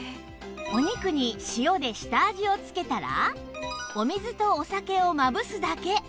お肉に塩で下味を付けたらお水とお酒をまぶすだけ